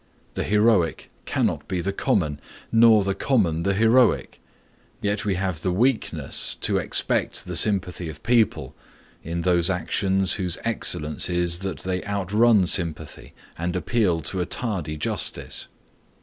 The heroic cannot be the common, nor the common the heroic. Yet we have the weakness to expect the sympathy of people in those actions whose excellence is that they outrun sympathy and appeal to a tardy justice.